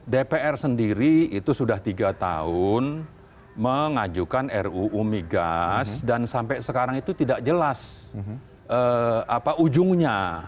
dpr sendiri itu sudah tiga tahun mengajukan ruu migas dan sampai sekarang itu tidak jelas apa ujungnya